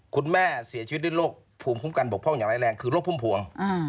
คุณแม่เสียชีวิตด้วยโรคภูมิคุ้มกันบกพ่องอย่างร้ายแรงคือโรคพุ่มพวง